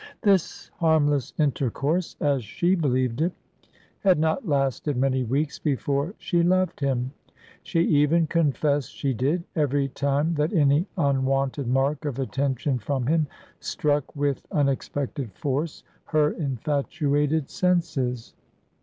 This harmless intercourse (as she believed it) had not lasted many weeks before she loved him: she even confessed she did, every time that any unwonted mark of attention from him struck with unexpected force her infatuated senses.